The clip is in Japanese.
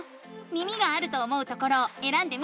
耳があると思うところをえらんでみて。